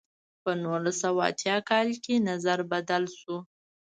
په نولس سوه اتیا کال کې نظر بدل شو.